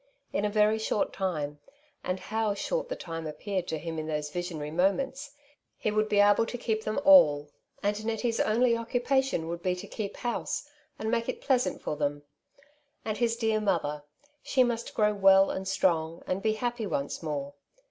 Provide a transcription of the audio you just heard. In a very short time — and how short the time appeared to him in those visionary moments !— he would be able to keep them all, and Nettie's only occupation would be to keep house and make it pleasant for them ; and his dear mother, she must grow well and strong, and be happy once more.